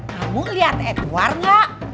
kamu lihat edward enggak